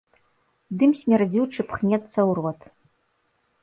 Дым смярдзючы пхнецца ў рот.